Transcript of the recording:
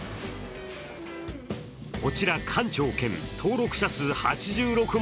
こちら、館長兼登録者８６万